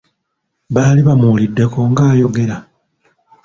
Baali bamuwuliddeko ng'ayogera?